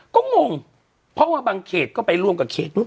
ก็งงเพราะว่าบางเขตก็ไปร่วมกับเขตนู้น